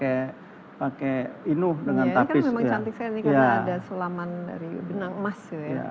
ya ini kan memang cantik sekali ini karena ada sulaman dari benang emas